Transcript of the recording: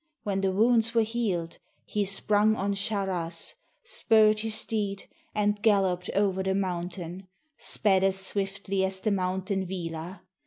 When the wounds were heal'd, he sprung on Sharaz, Spurr'd his steed, and gallop'd o'er the mountain; Sped as swiftly as the mountain Vila.